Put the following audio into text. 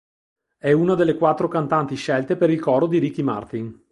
È una delle quattro cantanti scelte per il coro di Ricky Martin.